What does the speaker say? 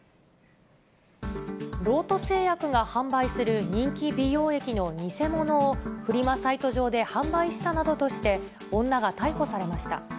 ロート製薬が販売する人気美容液の偽物を、フリマサイト上で販売したなどとして、女が逮捕されました。